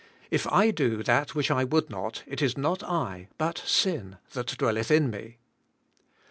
If I do that which I would not it is not I, but sin, that dwelleth in me."